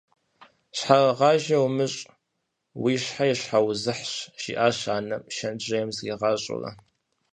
«Щхьэрыгъажэ умыщӏ, уи щхьэ и щхьэузыхьщ», - жиӏащ анэм, шэнтжьейм зригъэщӏурэ.